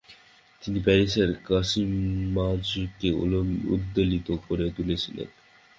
তিনি প্যারিসের কবিসমাজকে উদ্বেলিত করে তুলেছিলেন।